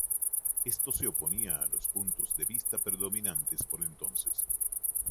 Esto se oponía a los puntos de vista predominantes por entonces.